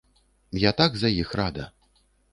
Я так за іх рада.